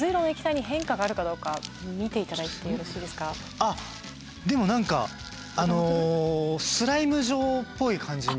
あっでも何かあのスライム状っぽい感じに。